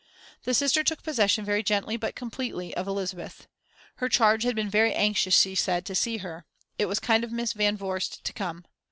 The Sister took possession very gently, but completely, of Elizabeth. Her charge had been very anxious, she said, to see her; it was kind of Miss Van Vorst to come.